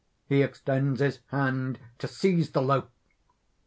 _ _He extends his hand to seize the loaf.